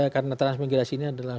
karena transmigrasi ini adalah